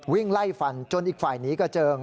วิ่งไล่ฟันจนอีกฝ่ายหนีกระเจิง